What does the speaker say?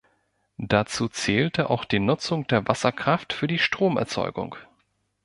Dazu zählte auch die Nutzung der Wasserkraft für die Stromerzeugung.